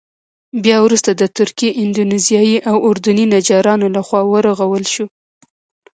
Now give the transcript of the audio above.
بیا وروسته د تركي، اندونيزيايي او اردني نجارانو له خوا ورغول شو.